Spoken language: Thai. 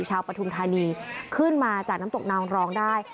ปฐุมธานีขึ้นมาจากน้ำตกนางรองได้